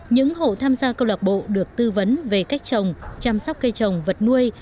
những hộ tham gia câu lạc bộ được tư vấn về cách trồng chăm sóc cây trồng vật nuôi